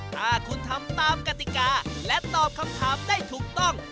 ถ้าคุณทำตามกติกาและตอบคำถามได้ถูกต้อง